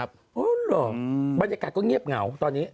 เหรอบรรยากาศก็เงียบเหงาตอนนี้